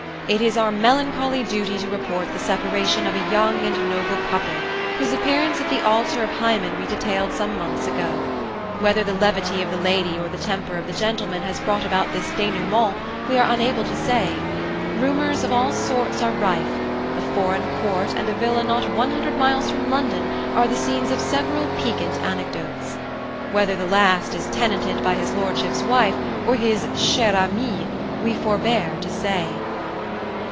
–It is our melancholy duty to report the separation of a young and noble couple, whose appearance at the alter of Hymen we detailed some months ago. Whether the levity of the lady or the temper of the gentleman has brought about this dénouement we are unable to say. Rumours of all sorts are rife–a foreign court and a villa not one hundred miles from London are the scenes of several piquant anecdotes. Whether the last is tenanted by his Lordship's wife, or his chère amie, we forbear to say."